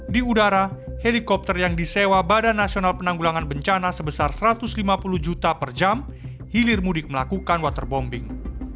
di udara helikopter yang disewa badan nasional penanggulangan bencana sebesar satu ratus lima puluh juta per jam hilir mudik melakukan waterbombing